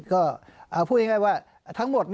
ก็พูดง่ายว่าทั้งหมด